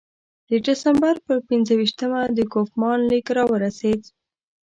د ډسامبر پر پنځه ویشتمه د کوفمان لیک راورسېد.